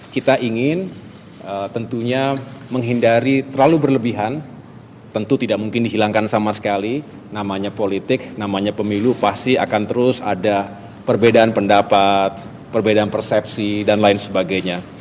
kita ingin tentunya menghindari terlalu berlebihan tentu tidak mungkin dihilangkan sama sekali namanya politik namanya pemilu pasti akan terus ada perbedaan pendapat perbedaan persepsi dan lain sebagainya